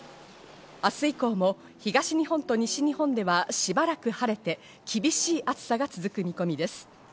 明日以降も東日本と西日本では、しばらく晴れて、厳しい暑さが続く見込みです。